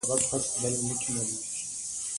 او د دغه عملیاتو مسؤلین